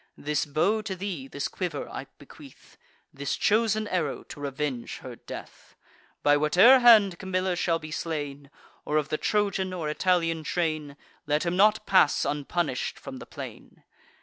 This bow to thee, this quiver I bequeath, This chosen arrow, to revenge her death: By whate'er hand Camilla shall be slain, Or of the Trojan or Italian train, Let him not pass unpunish'd from the plain.